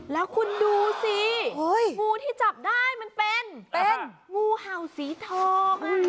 แล้วคุณดูสิงูที่จับได้มันเป็นงูเห่าสีทอง